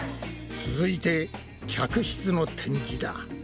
続いて客室の展示だ。